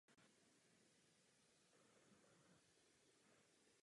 Ukazatele jsou výstižným způsobem interpretace daného jevu.